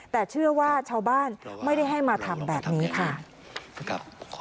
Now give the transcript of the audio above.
แต่เชื่อว่าชาวบ้านไม่ได้ให้มาทำแบบนี้ค่ะ